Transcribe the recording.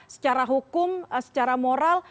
secara hukum secara moral